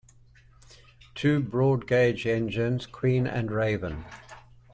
Two broad gauge engines: "Queen" and "Raven".